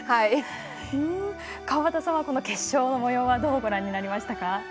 川端さんは決勝のもようはどうご覧になりましたか？